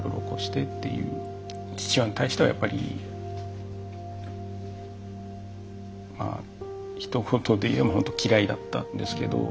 父親に対してはやっぱりまあひと言で言えばほんと嫌いだったんですけど。